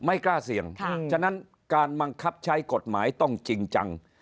ไม่กล้าเสี่ยงฉะนั้นการบังคับใช้กฎหมายต้องจริงจัง